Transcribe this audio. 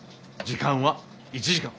時間は１時間。